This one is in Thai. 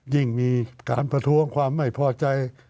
ยิ่งมีการประท้วงความไม่พอใจ